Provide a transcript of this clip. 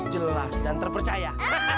jelas dan terpercaya